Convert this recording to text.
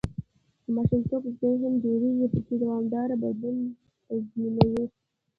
د ماشومتوبه ذهنیت جوړېږي، چې دوامداره بدلون تضمینوي.